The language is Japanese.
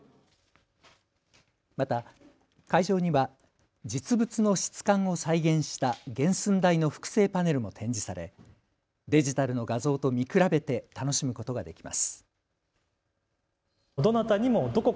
また会場には実物の質感を再現した原寸大の複製パネルも展示されデジタルの画像と見比べて楽しむことができます。